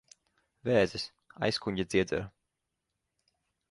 Vēzis. Aizkuņģa dziedzera.